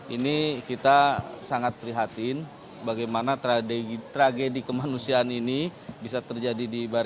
ini kita sangat prihatin bagaimana tragedi kemanusiaan ini bisa terjadi di bali